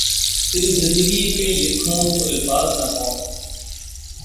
تیری زندگی پھ لکھوں تو الفاظ نہ پاؤں